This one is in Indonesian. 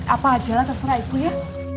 apa aja lah terserah ibu ya